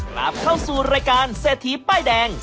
กลับเข้าสู่รายการเซตีป้ายดัง